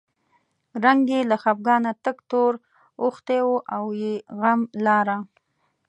رنګ یې له خپګانه تک تور اوښتی و او یې غم لاره.